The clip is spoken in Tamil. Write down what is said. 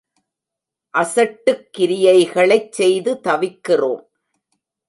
அசட்டுக் கிரியைகளைச் செய்து தவிக்கிறோம்.